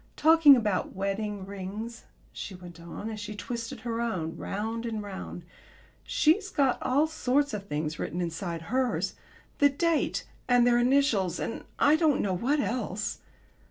Talking about wedding rings," she went on, as she twisted her own round and round, "she's got all sorts of things written inside hers the date and their initials and I don't know what else."